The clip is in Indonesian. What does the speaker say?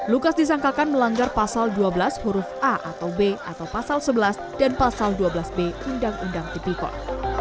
lukas disangkakan melanggar pasal dua belas huruf a atau b atau pasal sebelas dan pasal dua belas b undang undang tipikor